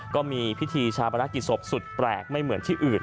ก็มีพิธีชาปนกิจศพสุดแปลกไม่เหมือนที่อื่น